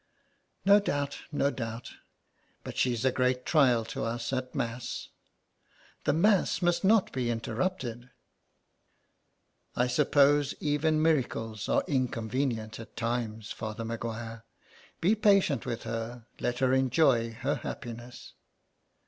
''" No doubt, no doubt. But she's a great trial to us at Mass. .. The Mass must not be interrupted." " I suppose even miracles are inconvenient at times, Father Maguire. Be patient with her, let her enjoy her happiness."